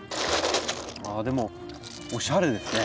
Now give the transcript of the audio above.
あでもおしゃれですね。